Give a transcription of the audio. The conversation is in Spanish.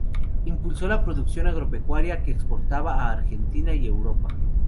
Impulsó la producción agropecuaria, que exportaba a Argentina y Europa.